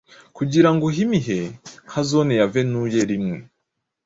Kugirango uhimihe, nka Zone ya Venui rimwe